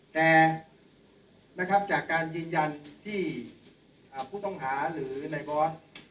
แต่นะครับจากการยืนยันที่ผู้ต้องหาหรือในบอส